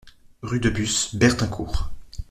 Rue de Bus, Bertincourt